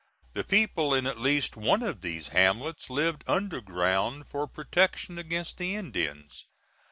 The people in at least one of these hamlets lived underground for protection against the Indians.